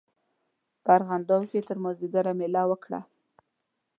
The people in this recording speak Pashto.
په ارغنداو کې تر مازیګره مېله وکړه.